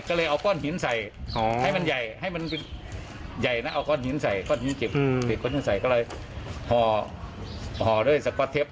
ก็เลยเอาก้อนหินใส่ให้มันใหญ่เอาก้อนหินใส่อืม